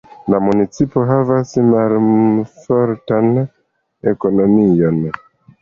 La municipo havas malfortan ekonomion.